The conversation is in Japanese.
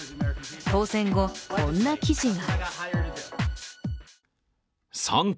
当選後、こんな記事が。